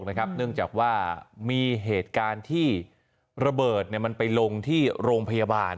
เนื่องจากว่ามีเหตุการณ์ที่ระเบิดมันไปลงที่โรงพยาบาล